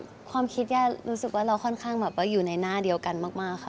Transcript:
ในความคิดรู้สึกว่าเราค่อนข้างอยู่ในหน้าเดียวกันมากค่ะ